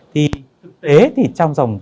thì thực tế thì trong dòng giai đoạn này